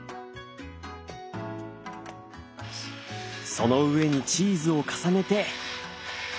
その上にチーズを重ねて。